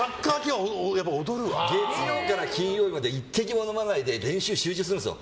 月曜から金曜まで１滴も飲まないで練習集中するんですよ。